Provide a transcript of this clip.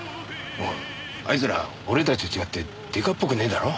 あいつら俺たちと違って刑事っぽくねえだろ？